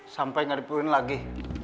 sampai gak dipulihin lagi